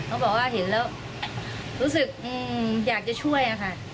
เขาบอกว่าเห็นแล้วรู้สึกอยากจะช่วยอะค่ะ